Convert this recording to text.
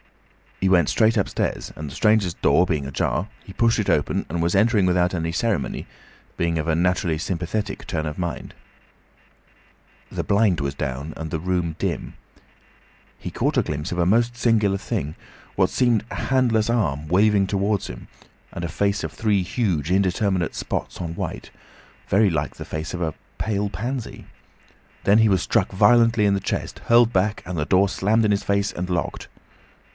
He went straight upstairs, and the stranger's door being ajar, he pushed it open and was entering without any ceremony, being of a naturally sympathetic turn of mind. The blind was down and the room dim. He caught a glimpse of a most singular thing, what seemed a handless arm waving towards him, and a face of three huge indeterminate spots on white, very like the face of a pale pansy. Then he was struck violently in the chest, hurled back, and the door slammed in his face and locked.